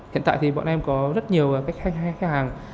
hiện tại thì bọn em có rất nhiều khách hàng